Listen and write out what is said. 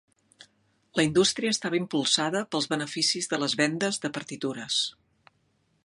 La indústria estava impulsada pels beneficis de les vendes de partitures.